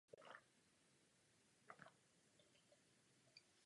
Je nejlepším kanadským reprezentačním střelcem historie.